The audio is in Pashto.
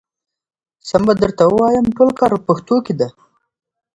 سم به درته ووايم ټول کار په پښتنو کې دی.